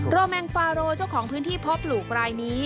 แมงฟาโรเจ้าของพื้นที่เพาะปลูกรายนี้